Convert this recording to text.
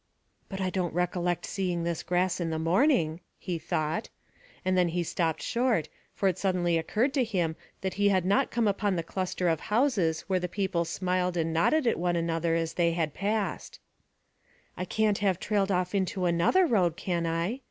"But I don't recollect seeing this grass in the morning," he thought; and then he stopped short, for it suddenly occurred to him that he had not come upon the cluster of houses where the people smiled and nodded at one another as they passed. "I can't have trailed off into another road, can I?"